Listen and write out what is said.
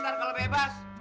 ntar kalau bebas